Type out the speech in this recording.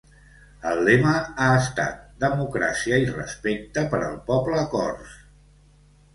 El lema ha estat ‘Democràcia i respecte per al poble cors’.